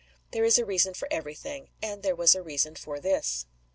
There is a reason for every thing; and there was a reason for this.